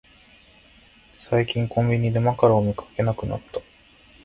最近コンビニでマカロンを見かけなくなった